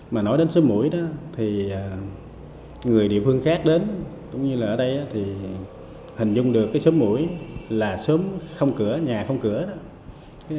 mà nói đến suối mũi đó thì người địa phương khác đến cũng như là ở đây thì hình dung được cái xóm mũi là sớm không cửa nhà không cửa đó